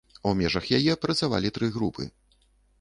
У межах яе працавалі тры групы.